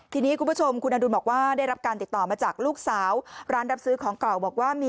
ทีนี้คุณผู้ชมคุณอดูลบอกว่า